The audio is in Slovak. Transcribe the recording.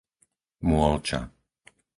Môlča